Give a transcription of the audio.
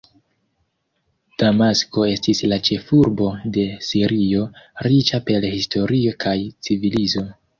Damasko estis la ĉefurbo de Sirio, riĉa per historio kaj civilizo.